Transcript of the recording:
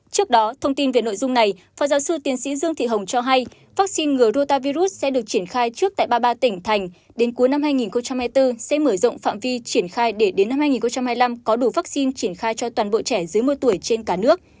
trước đó thông tin về nội dung này phó giáo sư tiến sĩ dương thị hồng cho hay vaccine ngừa rota virus sẽ được triển khai trước tại ba mươi ba tỉnh thành đến cuối năm hai nghìn hai mươi bốn sẽ mở rộng phạm vi triển khai để đến năm hai nghìn hai mươi năm có đủ vaccine triển khai cho toàn bộ trẻ dưới một mươi tuổi trên cả nước